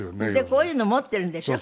こういうの持ってるんでしょ？